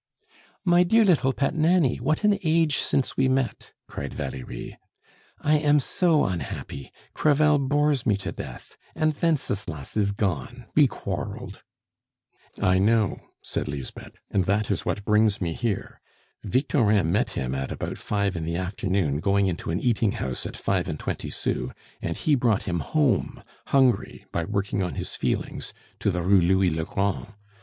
"My dear little pet Nanny, what an age since we met!" cried Valerie. "I am so unhappy! Crevel bores me to death; and Wenceslas is gone we quarreled." "I know," said Lisbeth, "and that is what brings me here. Victorin met him at about five in the afternoon going into an eating house at five and twenty sous, and he brought him home, hungry, by working on his feelings, to the Rue Louis le Grand.